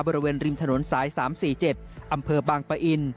บริเวณริมถนนสาย๓๔๗อำเภอบางปะอิน